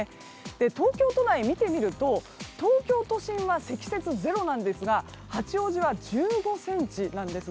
東京都内を見てみると東京都心は積雪０なんですが八王子は１５ｃｍなんです。